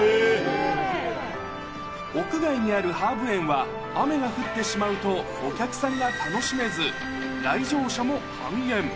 屋外にあるハーブ園は、雨が降ってしまうと、お客さんが楽しめず、来場者も半減。